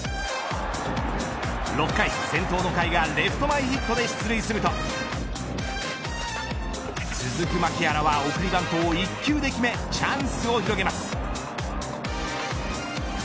６回、先頭の甲斐がレフト前ヒットで出塁すると続く牧原は送りバントを１球で決めチャンスを広げます。